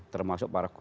termasuk para kulit